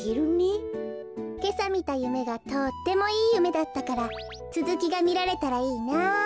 けさみたゆめがとってもいいゆめだったからつづきがみられたらいいなあ。